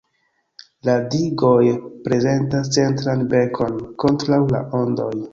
La digoj prezentas centran "bekon" kontraŭ la ondoj.